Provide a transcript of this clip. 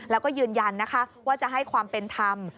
แล้วก็ยืนยันนะคะว่าจะให้ความเป็นธรรม